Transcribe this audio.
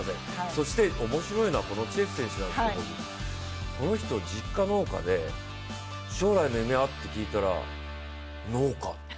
そして面白いのはこのチェフ選手なんですけどこの人、実家が農家で将来の夢はといったら「農家」と。